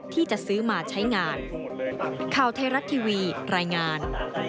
ที่จะซื้อมาใช้งาน